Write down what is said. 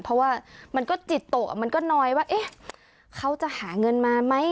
เพราะว่ามันก็จิตโตะมันก็น้อยว่าเอ๊ะเขาจะหาเงินมาไหม